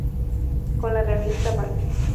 Con la revista Bang!